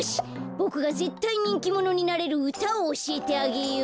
ぼくがぜったいにんきものになれるうたをおしえてあげよう！